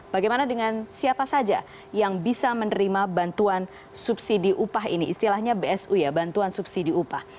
bagaimana dengan siapa saja yang bisa menerima bantuan subsidi upah ini istilahnya bsu ya bantuan subsidi upah